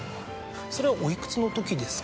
それはお幾つの時ですか？